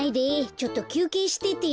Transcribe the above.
ちょっときゅうけいしててよ。